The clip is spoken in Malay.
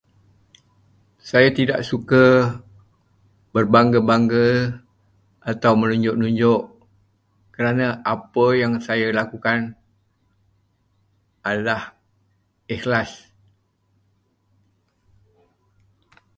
Saya tidak suka berbangga-bangga atau menunjuk-menunjuk kerana apa yang saya lakukan adalah ikhlas.